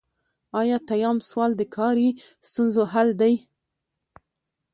ایاتیام سوال د کاري ستونزو حل دی.